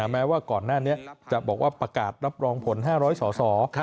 แม้ว่าก่อนหน้านี้จะบอกว่าประกาศรับรองผล๕๐๐สอสอ